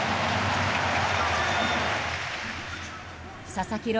佐々木朗